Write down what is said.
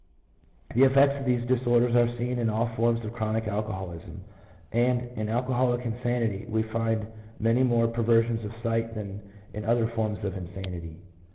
The effects of these disorders are seen in all forms of chronic alcoholism, and in alcoholic insanity we find many more perversions of sight than in other forms of insanity.